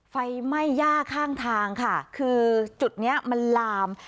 ไฟไหม้ย่าข้างทางค่ะคือจุดเนี้ยมันลาม